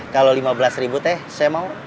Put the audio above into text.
kalau rp lima belas teh saya mau